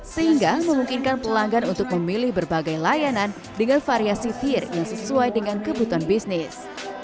sehingga memungkinkan pelanggan untuk memilih berbagai layanan dengan variasi fear yang sesuai dengan kebutuhan bisnis